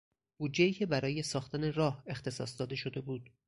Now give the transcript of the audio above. بودجهای که برای ساختن راه اختصاص داده شده بود